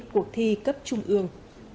cuộc thi cấp trung ương